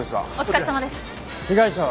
被害者は？